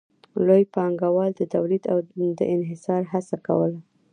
لوی پانګوال د تولید د انحصار هڅه کوله